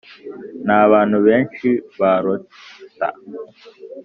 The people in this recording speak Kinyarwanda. nabantu benshi ba lotta